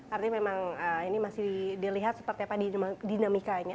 artinya memang ini masih dilihat seperti apa dinamikanya